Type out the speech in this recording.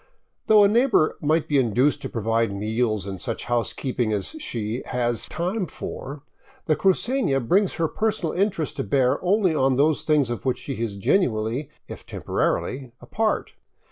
Though a neigh bor might be induced to provide meals and such housekeeping as she has time for, the crucefia brings her personal interest to bear only on those things of which she is genuinely, if temporarily, a part.